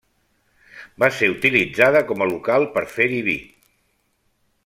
Va ser utilitzada com a local per fer-hi vi.